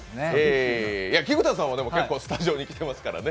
菊田さんは結構スタジオに来てますからね。